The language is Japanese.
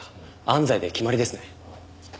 安西で決まりですね。